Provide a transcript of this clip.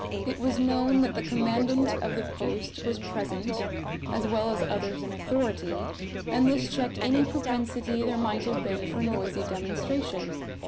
It was known that the commandant of the post was present, as well as others in authority; and this checked any propensity there might have been for noisy demonstration.